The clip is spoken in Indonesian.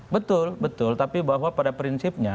betul betul tapi bahwa pada prinsipnya